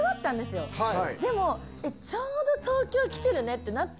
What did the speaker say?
でもちょうど東京来てるね！ってなって。